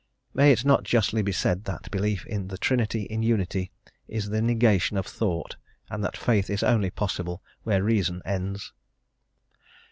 May it not justly be said that belief in the Trinity in Unity is the negation of thought, and that faith is only possible where reason ends?